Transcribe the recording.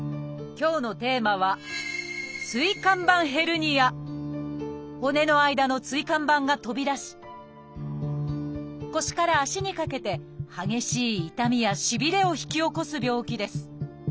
今日のテーマは骨の間の椎間板が飛び出し腰から足にかけて激しい痛みやしびれを引き起こす病気です。